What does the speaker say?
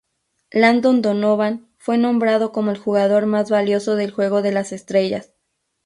Landon Donovan fue nombrado como el jugador más valioso del juego de las estrellas.